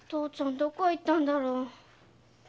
どこへ行ったんだろう。